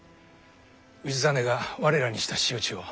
氏真が我らにした仕打ちを。